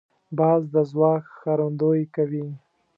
باز د ځواک ښکارندویي کوي